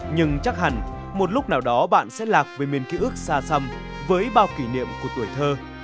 nhưng chắc hẳn một lúc nào đó bạn sẽ lạc với miền ký ức xa xăm với bao kỷ niệm của tuổi thơ